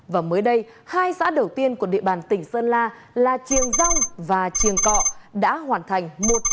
và mới đây hai xã đầu tiên của địa bàn tỉnh sơn la là triềng dông và triềng cọ đã hoàn thành một trăm linh